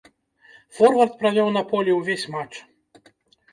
Форвард правёў на полі ўвесь матч.